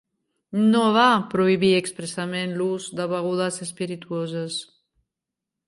No va prohibir expressament l'ús de begudes espirituoses.